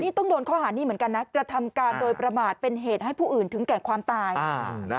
นี่ต้องโดนข้อหานี้เหมือนกันนะกระทำการโดยประมาทเป็นเหตุให้ผู้อื่นถึงแก่ความตาย